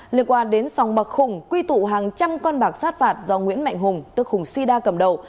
liên quan đến sòng bạc khùng quy tụ hàng trăm con bạc sát phạt do nguyễn mạnh hùng tức khùng sida cầm đầu